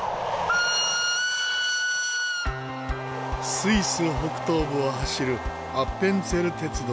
スイス北東部を走るアッペンツェル鉄道。